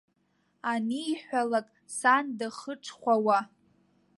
Аниҳәалак, сан дахыҽхәауа.